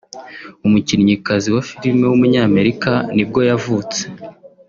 umukinnyikazi wa filime w’umunyamerika nibwo yavutse